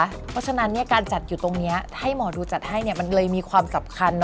เพราะฉะนั้นการจัดอยู่ตรงนี้ให้หมอดูจัดให้มันเลยมีความสำคัญ